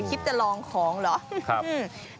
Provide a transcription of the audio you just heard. คิดจะลองของเหรอ